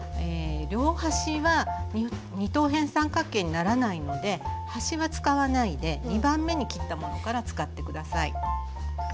両端は二等辺三角形にならないので端は使わないで２番目に切ったものから使って下さい。